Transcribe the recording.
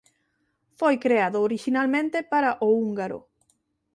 Foi creado orixinalmente para o húngaro.